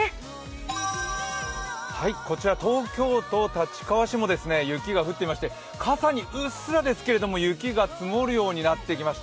こちら東京都・立川市も雪が降っていまして傘にうっすらですけど、雪が積もるようになってきました。